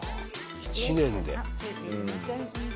１年で。